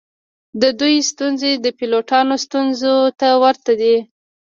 د دوی ستونزې د پیلوټانو ستونزو ته ورته دي